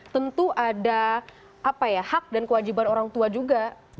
tentu ada hak dan kewajiban orang tua juga